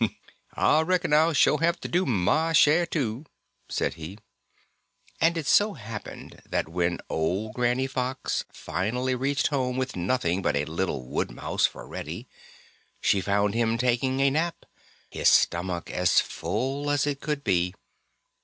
"Ah reckon Ah'll sho' have to do my share, too," said he. And so it happened that when old Granny Fox finally reached home with nothing but a little wood mouse for Reddy, she found him taking a nap, his stomach as full as it could be.